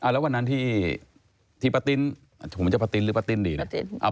แล้ววันนั้นที่ป้าติ้นผมจะป้าติ้นหรือป้าติ้นดีนะ